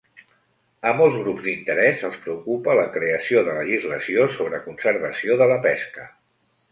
A molts grups d'interès els preocupa la creació de legislació sobre conservació de la pesca.